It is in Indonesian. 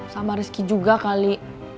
sama rizky juga kali